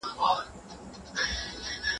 که ښوونکی څارنه کوي، خطر نه پېښېږي.